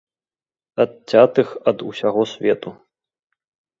Адцятых ад усяго свету.